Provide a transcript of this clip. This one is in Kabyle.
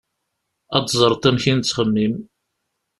Ad teẓreḍ amek i nettxemmim.